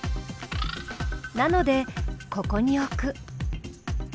なのでここに置く。